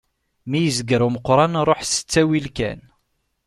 Mi yezger umeqran ruḥ s ttawil kan.